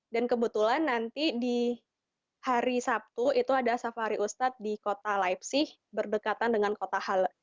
dan kebetulan nanti di hari sabtu itu ada safari ustad di kota leipzig berdekatan dengan kota halle